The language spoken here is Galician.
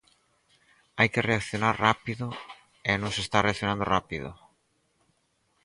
Hai que reaccionar rápido, e non se está reaccionando rápido.